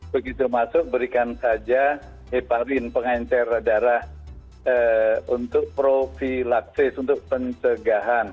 begitu masuk berikan saja heparin pengencer darah untuk profilaksis untuk pencegahan